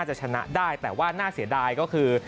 จะชนะได้แต่ว่าน่าเสียดายก็คือ